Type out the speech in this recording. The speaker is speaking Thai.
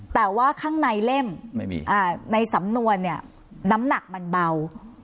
แต่ว่าข้างในเล่มในสำนวนน้ำหนักเบา